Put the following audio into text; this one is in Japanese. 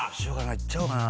いっちゃおうかな？